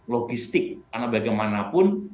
logistik karena bagaimanapun